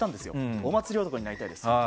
お祭り男になりたいですと。